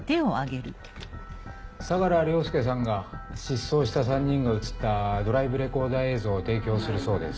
相良凌介さんが失踪した３人が写ったドライブレコーダー映像を提供するそうです。